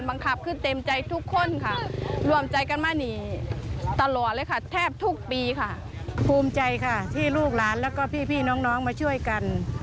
ภูมิใจค่ะที่ลูกหลานแล้วก็พี่น้องมันช่วยกัน